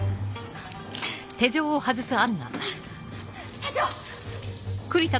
社長！